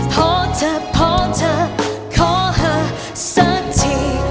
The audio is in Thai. เพราะเธอเพราะเธอขอเธอสักที